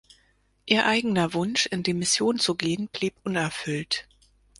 Ihr eigener Wunsch, in die Mission zu gehen, blieb unerfüllt.